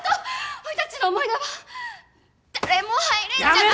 おい達の思い出は誰も入れんじゃなかと？